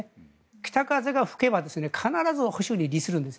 北風が吹けば必ず保守に利するんです。